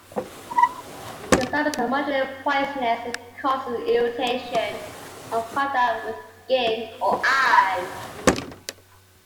The sap is moderately poisonous, and causes irritation on contact with skin or eyes.